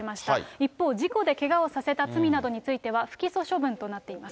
一方、事故でけがをさせた罪などについては不起訴処分となっています。